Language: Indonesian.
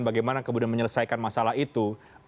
bagaimana kemudian menyelesaikan masalah itu